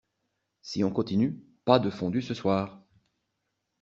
Si on continue, pas de fondue ce soir.